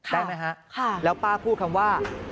ได้ไหมฮะแล้วป้าพูดคำว่า